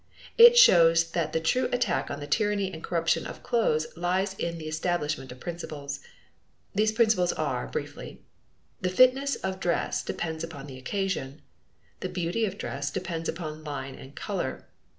It shows that the true attack on the tyranny and corruption of clothes lies in the establishment of principles. These principles are, briefly: The fitness of dress depends upon the occasion. The beauty of dress depends upon line and color.